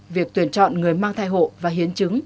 việc tuyển chọn người mang thai hộ và hiến chứng